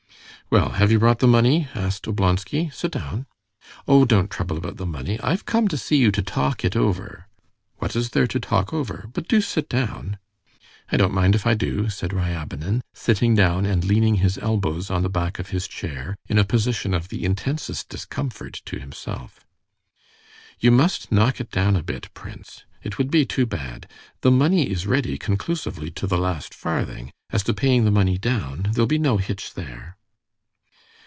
"Well, have you brought the money?" asked Oblonsky. "Sit down." "Oh, don't trouble about the money. I've come to see you to talk it over." "What is there to talk over? But do sit down." "I don't mind if I do," said Ryabinin, sitting down and leaning his elbows on the back of his chair in a position of the intensest discomfort to himself. "You must knock it down a bit, prince. It would be too bad. The money is ready conclusively to the last farthing. As to paying the money down, there'll be no hitch there."